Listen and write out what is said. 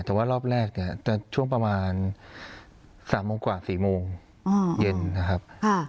แต่ว่ารอบแรกเนี่ยจะช่วงประมาณ๓โมงกว่า๔โมงเย็นนะครับ